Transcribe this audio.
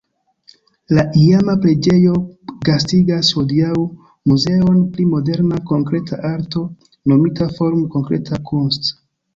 La iama preĝejo gastigas hodiaŭ muzeon pri moderna konkreta arto nomita "Forum Konkrete Kunst".